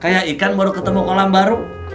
kayak ikan baru ketemu kolam baru